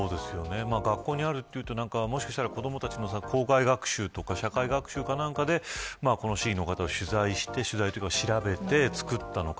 学校にあるというともしかしたら子どもたちが校外学習とか社会学習かなんかでこの市議の方を取材というか調べて作ったのか。